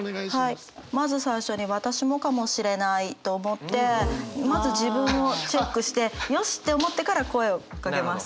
まず最初に私もかもしれないと思ってまず自分をチェックしてよしって思ってから声をかけます。